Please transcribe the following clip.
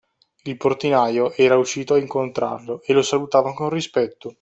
Il portinaio era uscito a incontrarlo e lo salutava con rispetto.